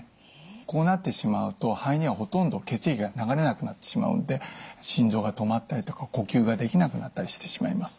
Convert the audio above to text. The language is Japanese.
こうなってしまうと肺にはほとんど血液が流れなくなってしまうので心臓が止まったりとか呼吸ができなくなったりしてしまいます。